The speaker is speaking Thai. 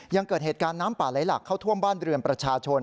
ยังเกิดเหตุการณ์น้ำป่าไหลหลักเข้าท่วมบ้านเรือนประชาชน